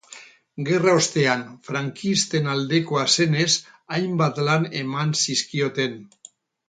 Gerra ostean, frankisten aldekoa zenez, hainbat lan eman zizkioten.